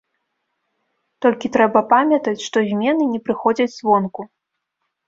Толькі трэба памятаць, што змены не прыходзяць звонку.